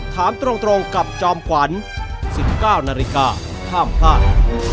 ถามตรงกับจอมขวัญ๑๙นาฬิกาห้ามพลาด